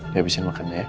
dia bisa makan ya